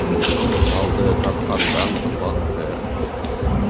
Малды тапҡандан баҡтыр.